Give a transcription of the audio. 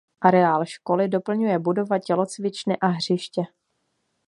Areál školy doplňuje budova tělocvičny a hřiště.